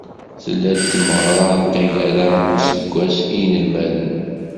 Tella-d tmeɣra n taggara n useggas i yinelmaden.